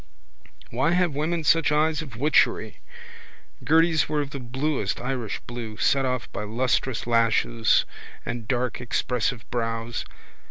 Why have women such eyes of witchery? Gerty's were of the bluest Irish blue, set off by lustrous lashes and dark expressive brows.